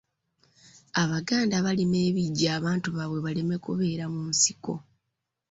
Abaganda barima ebiggya abantu baabwe baleme kubeera mu nsiko.